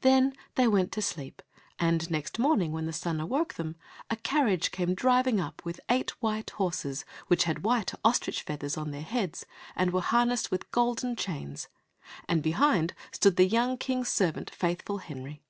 Then they went to sleep, and next morning when the sun awoke them, a carriage came driving up with eight white horses, which had white ostrich feathers on their heads, and were harnessed with golden chains, and behind stood the young King's servant Faithful Henry.